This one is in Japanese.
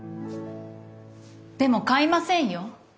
でも買いませんよ。